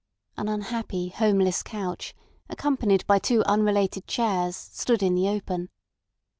An unhappy, homeless couch, accompanied by two unrelated chairs, stood in the open.